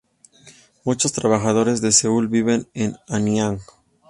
Muchos trabajadores de Seúl viven en Anyang.